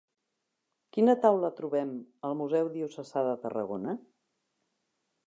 Quina taula trobem al Museu Diocesà de Tarragona?